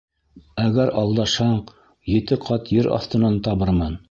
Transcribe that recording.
Әгәр алдашһаң, ете ҡат ер аҫтынан табырмын!